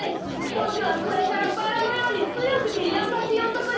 ボクはこれからバラのようにつよくてやさしいおとこになる。